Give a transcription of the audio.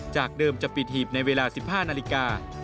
จากเดิมจะปิดหีบในเวลา๑๕นาฬิกา